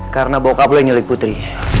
karena bokap lu yang nyulik putri